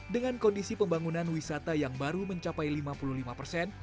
dengan kondisi pembangunan wisata yang baru mencapai lima puluh lima persen